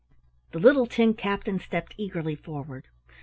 The little tin captain stepped eagerly forward.